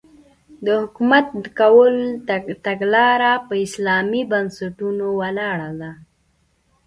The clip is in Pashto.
د حکومت کولو تګلاره په اسلامي بنسټونو ولاړه ده.